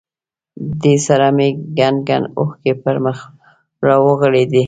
دې سره مې کنډ کنډ اوښکې پر مخ را ورغړېدې.